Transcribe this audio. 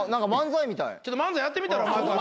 ちょっと漫才やってみたら？